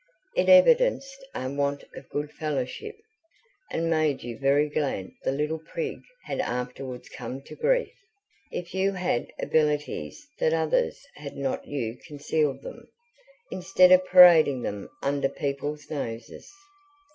It evidenced a want of good fellowship, and made you very glad the little prig had afterwards come to grief: if you had abilities that others had not you concealed them, instead of parading them under people's noses.